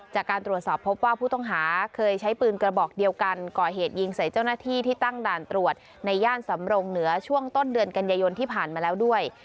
จากการตรวจสอบพบว่าผู้ต้องหาเคยใช้ปืนกระบอกเดียวกันก่อเหตุยิงใส่เจ้าหน้าที่ที่ตั้งด่านตรวจในย่านสำรงเหนือช่วงต้นเดือนกันยายนที่ผ่านมาแล้วด้วย